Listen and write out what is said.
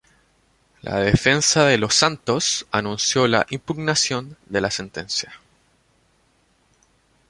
La defensa de Losantos anunció la impugnación de la sentencia.